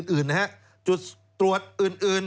อื่นนะฮะจุดตรวจอื่น